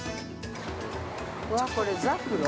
◆わっ、これザクロ？